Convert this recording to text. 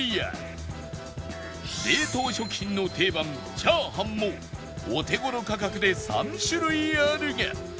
冷凍食品の定番炒飯もお手頃価格で３種類あるが